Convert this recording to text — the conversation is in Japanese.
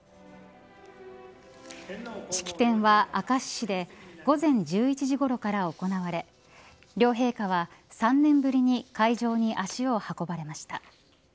式典は明石市で午前１１時ごろから行われ両陛下は３年ぶりに会場に足を運ばれました。